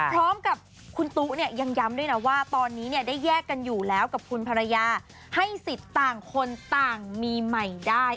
พร้อมกับคุณตุ๊เนี่ยยังย้ำด้วยนะว่าตอนนี้เนี่ยได้แยกกันอยู่แล้วกับคุณภรรยาให้สิทธิ์ต่างคนต่างมีใหม่ได้